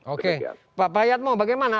oke pak yatmo bagaimana